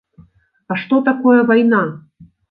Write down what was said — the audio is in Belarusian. А што такое вайна?